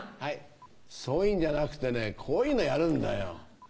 そういうんじゃなくてねこういうのやるんだよ。